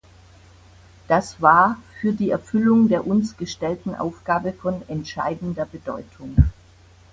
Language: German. Das war für die Erfüllung der uns gestellten Aufgabe von entscheidender Bedeutung.